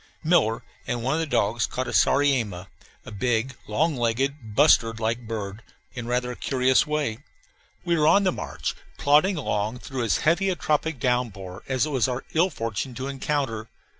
Miller and one of the dogs caught a sariema, a big, long legged, bustard like bird, in rather a curious way. We were on the march, plodding along through as heavy a tropic downpour as it was our ill fortune to encounter.